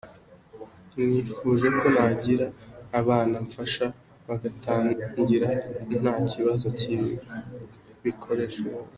Nifuje ko nagira abana mfasha bagatangira nta kibazo cy’ibikoresho bafite.